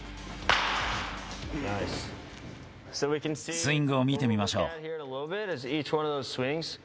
スイングを見てみましょう。